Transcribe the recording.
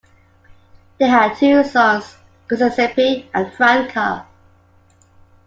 They had two sons, Giuseppe and Franca.